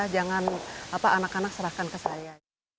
jangan anak anak serahkan ke saya